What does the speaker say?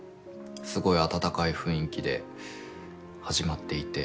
すごい温かい雰囲気で始まっていて。